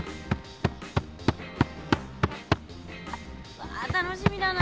うわ楽しみだな。